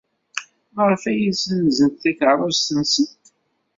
Maɣef ay ssenzent takeṛṛust-nsent?